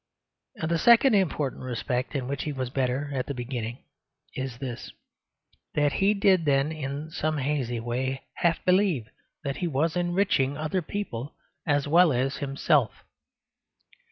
And the second important respect in which he was better at the beginning is this: that he did then, in some hazy way, half believe that he was enriching other people as well as himself.